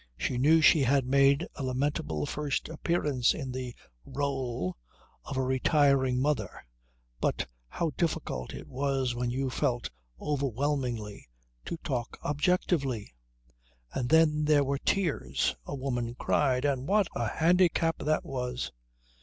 She knew she had made a lamentable first appearance in the rôle of a retiring mother, but how difficult it was when you felt overwhelmingly to talk objectively. And then there were tears. A woman cried, and what a handicap that was.